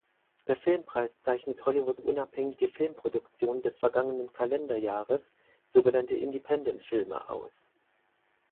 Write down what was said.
Der Filmpreis zeichnet Hollywood-unabhängige Filmproduktionen des vergangenen Kalenderjahres, so genannte Independentfilme, aus.